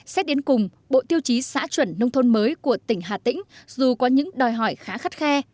xét đến cùng bộ tiêu chí xã chuẩn nông thôn mới của tỉnh hà tĩnh dù có những đòi hỏi khá khắt khe